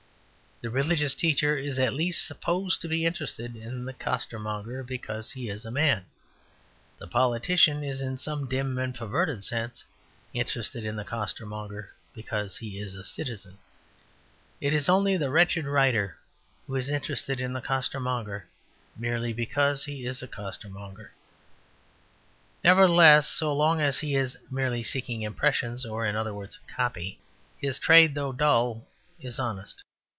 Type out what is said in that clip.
The religious teacher is at least supposed to be interested in the costermonger because he is a man; the politician is in some dim and perverted sense interested in the costermonger because he is a citizen; it is only the wretched writer who is interested in the costermonger merely because he is a costermonger. Nevertheless, so long as he is merely seeking impressions, or in other words copy, his trade, though dull, is honest.